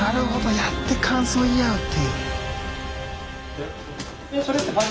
やって感想を言い合うっていう。